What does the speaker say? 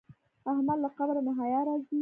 احمد له قبره مې حیا راځي.